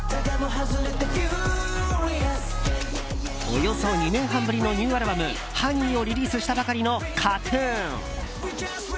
およそ２年半ぶりのニューアルバム「Ｈｏｎｅｙ」をリリースしたばかりのＫＡＴ‐ＴＵＮ。